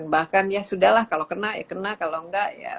bahkan ya sudah lah kalau kena ya kena kalau enggak ya